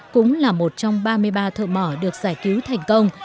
cũng là một trong ba mươi ba thợ mỏ được giải cứu thành công